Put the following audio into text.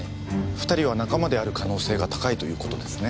２人は仲間である可能性が高いという事ですね。